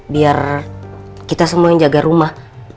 biar kita semua yang jaga rumah